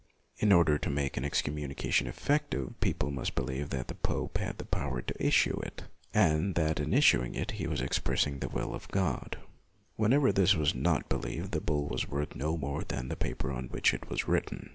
In order to make an excommunication effect ive, people must believe that the pope had the power to issue it, and that in issuing it he was expressing the will of LUTHER 17 God. Wherever this was not believed, the bull was worth no more than the paper on which it was written.